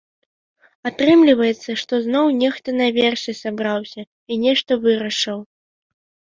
Атрымліваецца, што зноў нехта наверсе сабраўся і нешта вырашыў.